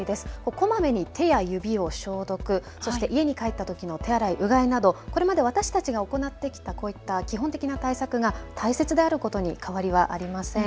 こまめに手や指を消毒、そして家に帰ったときの手洗い、うがいなどこれまで私たちが行ってきたこういった基本的な対策が大切であることに変わりはありません。